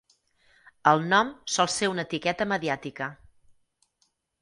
El nom sol ser una etiqueta mediàtica.